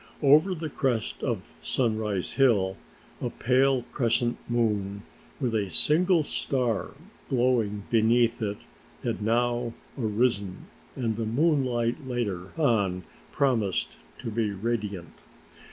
Over the crest of Sunrise Hill a pale crescent moon with a single star glowing beneath it had now arisen and the moonlight later on promised to be radiant.